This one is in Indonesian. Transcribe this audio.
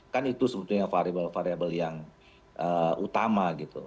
kan itu sebetulnya variable variable yang utama gitu